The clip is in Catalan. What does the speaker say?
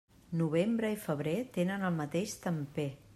Novembre i febrer tenen el mateix temper.